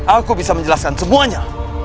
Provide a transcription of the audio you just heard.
aku bisa menjelaskan semuanya